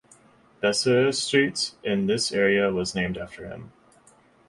Besserer Street in this area was named after him.